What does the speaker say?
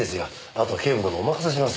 あと警部殿お任せします。